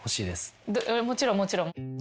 もちろんもちろん。